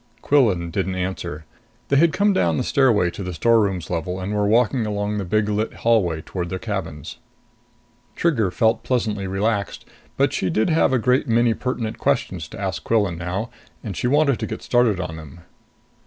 Quillan didn't answer. They had come down the stairway to the storerooms level and were walking along the big lit hallway toward their cabins. Trigger felt pleasantly relaxed. But she did have a great many pertinent questions to ask Quillan now, and she wanted to get started on them.